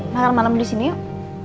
makan malam disini yuk